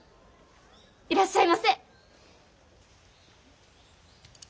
いらっしゃいませ！